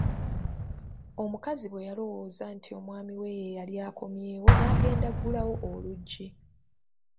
Omukazi bwe yalowooza nti omwami we yeyali akomyewo n'agenda aggulewo oluggi.